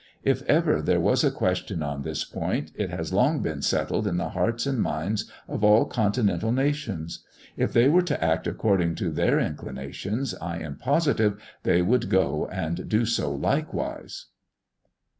If ever there was a question on this point, it has long been settled in the hearts and minds of all continental nations. If they were to act according to their inclinations, I am positive they would "go and do so likewise."